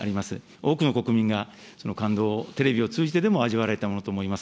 多くの国民がその感動をテレビを通じてでも味わわれたものと思います。